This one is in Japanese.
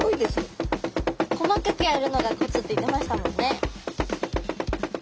細かくやるのがコツって言ってましたもんね。